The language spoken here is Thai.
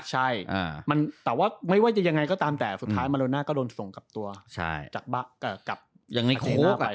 ใช่แต่ว่าไม่ว่าจะยังไงก็ตามแต่สุดท้ายมาโลน่าก็โดนส่งกลับตัวจากบั๊กกลับอาจารย์หน้าไป